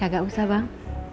gak usah bang